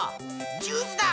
ジュースだ！